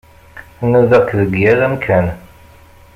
Nudaɣ-k deg yal amkan.